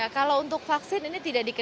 kalau untuk vaksin ini tidak dikenal